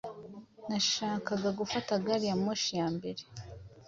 Nashakaga gufata gari ya moshi ya mbere.